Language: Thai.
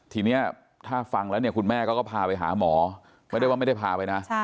ทีนี้ถ้าฟังแล้วเนี่ยคุณแม่เขาก็พาไปหาหมอไม่ได้ว่าไม่ได้พาไปนะ